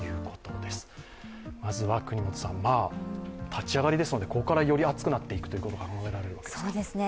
立ち上がりですのでここからより暑くなっていくことも考えられるわけですね。